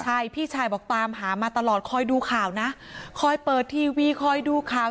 ใช่พี่ชายบอกตามหามาตลอดคอยดูข่าวนะคอยเปิดทีวีคอยดูข่าว